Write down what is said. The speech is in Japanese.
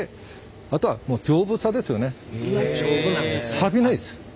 さびないです。